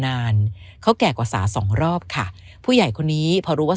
นานเขาแก่กว่าสาสองรอบค่ะผู้ใหญ่คนนี้พอรู้ว่า